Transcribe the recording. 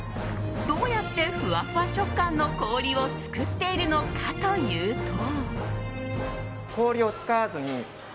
どうやって、ふわふわ食感の氷を作っているのかというと。